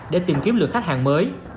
để tìm kiếm lượt khách hàng mới